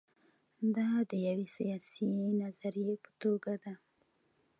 دا د یوې سیاسي نظریې په توګه ده.